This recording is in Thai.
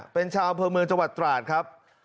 เป็นชาวเผอร์เมืองจังหวัดตราศครับ